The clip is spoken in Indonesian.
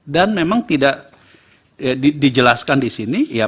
dan memang tidak dijelaskan di sini ya